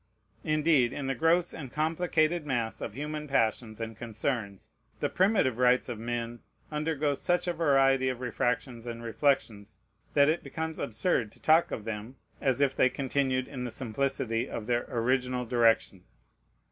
Indeed, in the gross and complicated mass of human passions and concerns, the primitive rights of men undergo such a variety of refractions and reflections that it becomes absurd to talk of them as if they continued in the simplicity of their original direction.